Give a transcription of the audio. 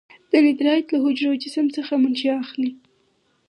دندرایت له حجروي جسم څخه منشا اخلي.